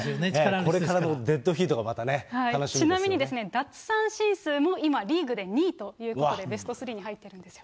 これからのデッドヒートがまちなみに奪三振数も今、リーグで２位ということで、ベストスリーに入ってるんですよ。